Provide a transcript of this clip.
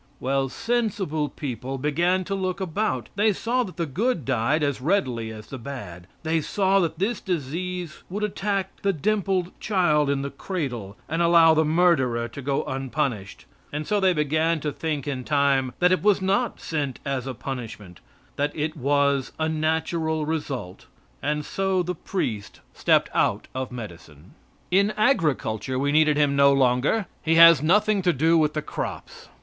Well, sensible people began to look about; they saw that the good died as readily as the bad; they saw that this disease would attack the dimpled child in the cradle and allow the murderer to go unpunished; and so they began to think in time that it was not sent as a punishment; that it was a natural result; and so the priest stepped out of medicine. In agriculture we need him no longer; he has nothing to do with the crops.